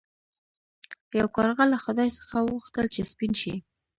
یو کارغه له خدای څخه وغوښتل چې سپین شي.